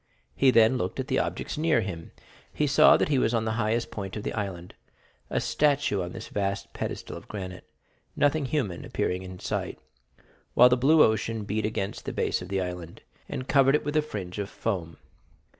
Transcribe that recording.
He then looked at the objects near him. He saw that he was on the highest point of the island,—a statue on this vast pedestal of granite, nothing human appearing in sight, while the blue ocean beat against the base of the island, and covered it with a fringe of foam.